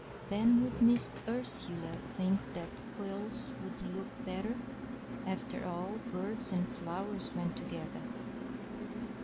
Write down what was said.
Then would Miss Ursula think that quills would look better? After all, birds and flowers went together.